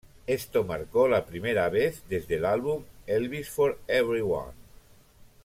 Esto marcó la primera vez desde el álbum "Elvis for Everyone!